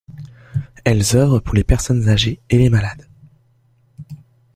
Elles œuvrent pour les personnes âgées et les malades.